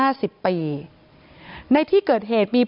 ในที่เกิดเหตุมีผู้ชมที่จะไปช่วยงานศพ